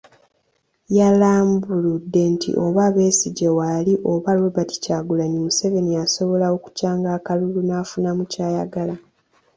Yalambuludde nti oba Besigye waali oba Robert Kyagulanyi, Museveni asobola okukyanga akalulu n'afunamu kyayagala.